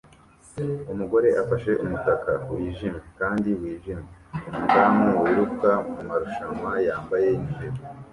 Umugore afashe umutaka wijimye kandi wijimye kumudamu wiruka mumarushanwa yambaye numero